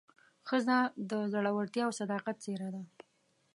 ښځه د زړورتیا او صداقت څېره ده.